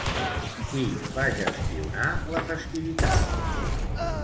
Qui va gestionar la festivitat?